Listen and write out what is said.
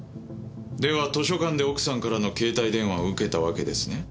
では図書館で奥さんからの携帯電話を受けたわけですね？